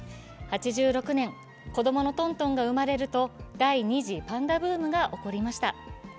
８６年、子供のトントンが生まれると第２次パンダブームが起こりました